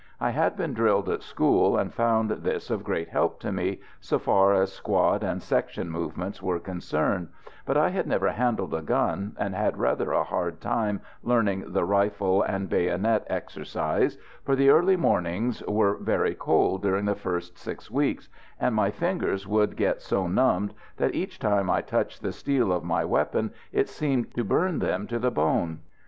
I had been drilled at school, and found this of great help to me, so far as squad and section movements were concerned; but I had never handled a gun, and had rather a hard time learning the rifle and bayonet exercise, for the early mornings were very cold during the first six weeks, and my fingers would get so numbed that each time I touched the steel of my weapon it seemed to burn them to the bone.